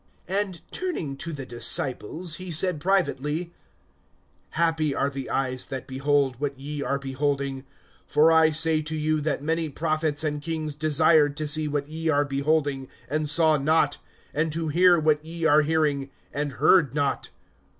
(23)And turning to the disciples, he said privately: Happy are the eyes that behold what ye are beholding. (24)For I say to you, that many prophets and kings desired to see what ye are beholding, and saw not, and to hear what ye are hearing, and heard not.